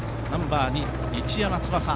ナンバー２、市山翼。